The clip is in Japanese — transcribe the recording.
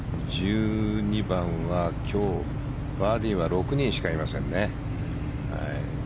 １２番は今日バーディーは６人しかいません。